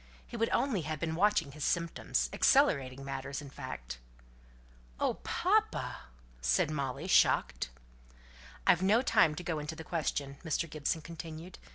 He would only have been watching his symptoms accelerating matters, in fact." "Oh, papa!" said Molly, shocked. "I've no time to go into the question," Mr. Gibson continued.